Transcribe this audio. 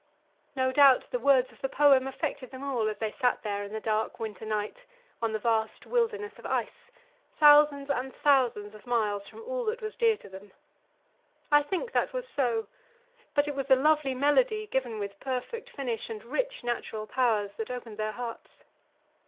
No doubt the words of the poem affected them all as they sat there in the dark winter night on the vast wilderness of ice, thousands and thousands of miles from all that was dear to them. I think that was so; but it was the lovely melody, given with perfect finish and rich natural powers, that opened their hearts.